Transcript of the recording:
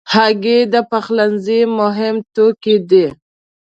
هګۍ د پخلنځي مهم توکي دي.